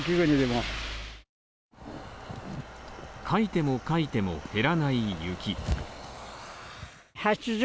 かいてもかいても減らない雪。